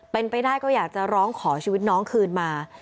เป็นไปได้ก็อยากจะร้องขอชีวิตน้องคืนมา